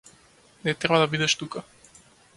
Не треба да бидеш тука.